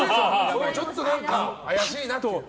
ちょっと怪しいなっていう。